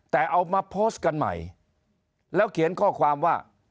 แต่เอามาโพสต์กันใหม่แล้วเขียนข้อความว่า